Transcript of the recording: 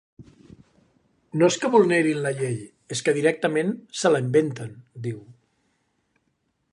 No és que vulnerin la llei, és que directament se la inventen, diu.